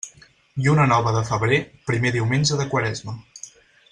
Lluna nova de febrer, primer diumenge de quaresma.